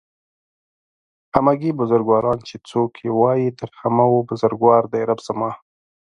همگي بزرگواران چې څوک يې وايي تر همه و بزرگوار دئ رب زما